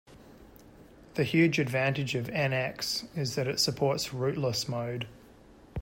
The huge advantage of NX is that it supports "rootless" mode.